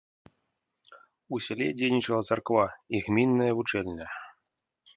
У сяле дзейнічала царква і гмінная вучэльня.